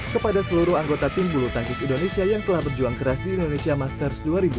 kepada seluruh anggota tim bulu tangkis indonesia yang telah berjuang keras di indonesia masters dua ribu dua puluh